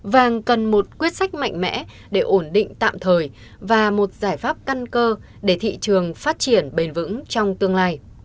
vàng cần một quyết sách mạnh mẽ để ổn định tạm thời và một giải pháp căn cơ để thị trường phát triển bền vững trong tương lai